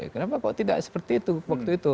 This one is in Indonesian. kenapa kok tidak seperti itu waktu itu